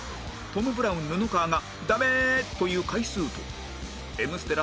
トム・ブラウン布川が「ダメー！」と言う回数と『Ｍ ステ』